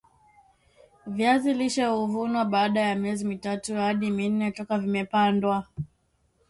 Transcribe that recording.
viazi lishe huvunwa baada ya miezi mitatu hadi minne toka vimepandwa